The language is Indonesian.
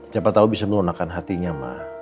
siapa tahu bisa melunakan hatinya mah